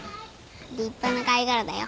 立派な貝殻だよ。